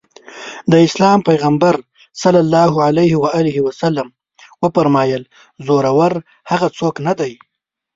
د اسلام پيغمبر ص وفرمايل زورور هغه څوک نه دی.